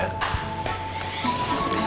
tunggu sebentar ya